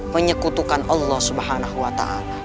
menyekutukan allah swt